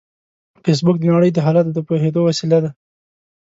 فېسبوک د نړۍ د حالاتو د پوهېدو وسیله ده